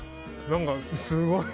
何か、すごい。